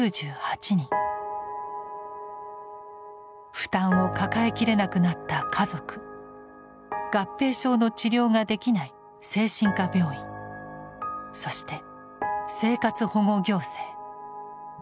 負担を抱えきれなくなった家族合併症の治療ができない精神科病院そして生活保護行政。